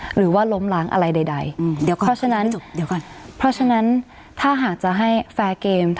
หรือว่าล้มล้างอะไรใดเพราะฉะนั้นถ้าหากจะให้แฟร์เกม